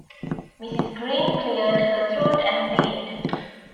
Mrs. Green cleared her throat and beamed.